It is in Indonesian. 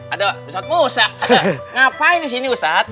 aduh ustadz musa ngapain di sini ustadz